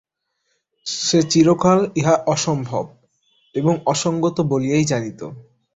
সে চিরকাল ইহা অসম্ভব এবং অসংগত বলিয়াই জানিত।